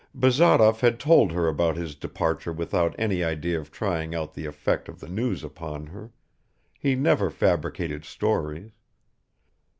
Bazarov had told her about his departure without any idea of trying out the effect of the news upon her; he never fabricated stories.